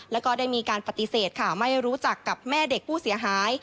แล้วก็ได้มีการปฏิเสธค่ะไม่รู้จักกับแม่เด็กผู้เสียหาย